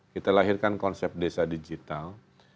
kita lahirkan konsep desa digital